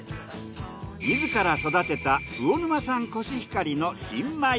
みずから育てた魚沼産コシヒカリの新米。